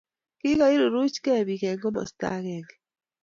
Kikairuchkei bik eng komasta agenge